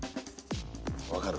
分かる？